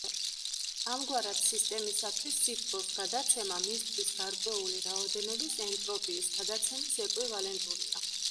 ამგვარად, სისტემისათვის სითბოს გადაცემა მისთვის გარკვეული რაოდენობის ენტროპიის გადაცემის ეკვივალენტურია.